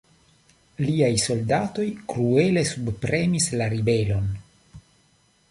Liaj soldatoj kruele subpremis la ribelon.